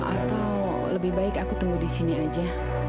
atau lebih baik aku tunggu di sini aja